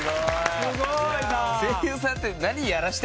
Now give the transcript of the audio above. すごいな。